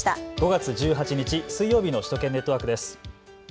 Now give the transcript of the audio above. ５月１８日、水曜日の首都圏ネットワークです。